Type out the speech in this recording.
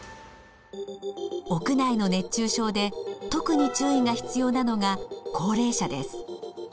屋内の熱中症で特に注意が必要なのが高齢者です。